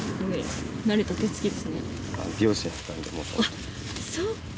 あっそっか